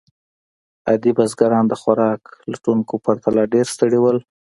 عادي بزګران د خوراک لټونکو پرتله ډېر ستړي وو.